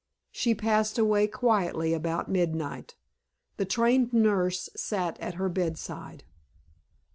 She passed away quietly about midnight. The trained nurse sat at her bedside.